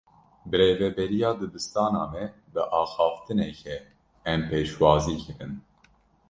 Birêveberiya dibistana me bi axaftinekê em pêşwazî kirin.